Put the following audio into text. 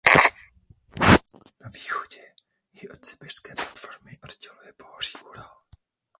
Na východě ji od sibiřské platformy odděluje pohoří Ural.